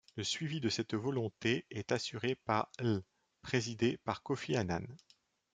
Le suivi de cette volonté est assuré par l', présidé par Kofi Annan.